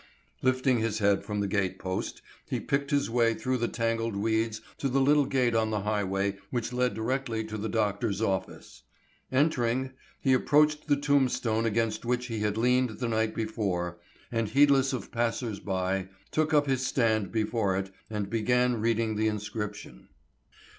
Lifting his head from the gate post, he picked his way through the tangled weeds to the little gate on the highway which led directly to the doctor's office. Entering, he approached the tombstone against which he had leaned the night before, and heedless of passers by, took up his stand before it and began reading the inscription.